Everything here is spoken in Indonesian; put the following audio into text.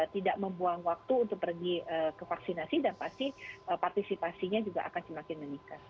tidak membuang waktu untuk pergi ke vaksinasi dan pasti partisipasinya juga akan semakin meningkat